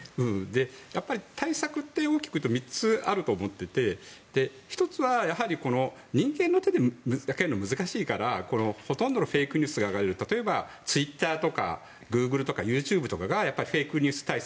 やっぱり対策って大きくいうと３つあると思ってて１つは、やはり人間の手だけでは難しいからほとんどのフェイクニュースが流れる例えばツイッターとかグーグル、ＹｏｕＴｕｂｅとかがやっぱりフェイクニュース対策